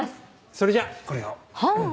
それじゃこれを。